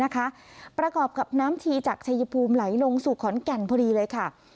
ประกอบกับน้ำทีจากชายภูมิไหลลงสู่ขอนแก่นพอดีเลยค่ะ